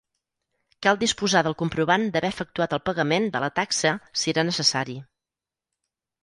Cal disposar del comprovant d'haver efectuat el pagament de la taxa si era necessari.